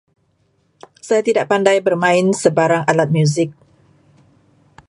Saya tidak pandai bermain sebarang alat muzik.